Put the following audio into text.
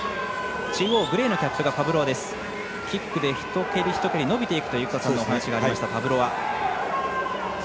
キックでひと蹴りひと蹴り伸びていくというお話がありましたパブロワ。